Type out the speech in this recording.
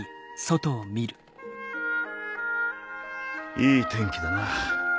いい天気だな。